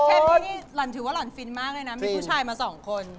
นี่หล่อนถือว่าหล่อนฟินมากเลยนะมีผู้ชายมาสองคน